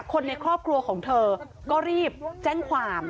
คนในครอบครัวของเธอก็รีบแจ้งความ